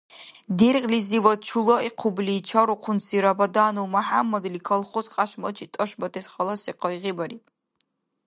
Дергълизивад чулахъиубли чарухъунси Рабаданов Мяхӏяммадли колхоз кьяшмачи тӏашбатес халаси къайгъи бариб.